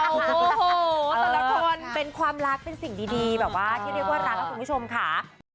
โอ้โหแต่ละคนเป็นความรักเป็นสิ่งดีแบบว่าที่เรียกว่ารักนะคุณผู้ชมค่ะ